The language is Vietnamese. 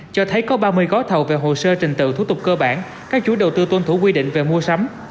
cho thấy có ba mươi gói thầu về hồ sơ trình tự thủ tục cơ bản các chú đầu tư tuân thủ quy định về mua sắm